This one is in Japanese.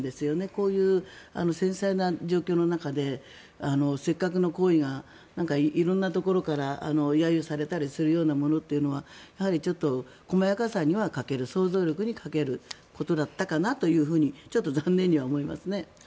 こういう繊細な状況の中でせっかくの行為が色んなところから揶揄されたりするようなものというのはちょっと細やかさには欠ける想像力に欠けることだったかなとちょっと残念には思いますね。